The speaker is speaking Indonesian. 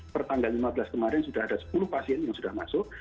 pertanggal lima belas kemarin sudah ada sepuluh pasien yang sudah masuk